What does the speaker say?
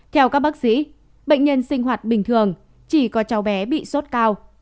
theo các bác sĩ bệnh nhân sinh hoạt bình thường chỉ có cháu bé bị sốt cao